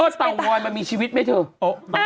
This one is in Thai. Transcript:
เตางอยมันมีชีวิตไหมเถอะ